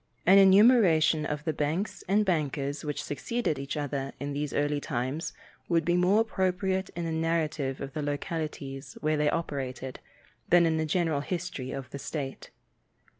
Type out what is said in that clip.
An enumeration of the banks and bankers which succeeded each other in these early times would be more appropriate in a narrative of the localities where they operated than in a general history of the state.